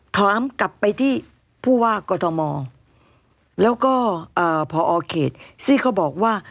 ถามกลับไปที่ผู้ว่ากอทมแล้วก็พอเขตซึ่งเขาบอกว่า